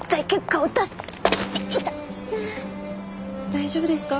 大丈夫ですか？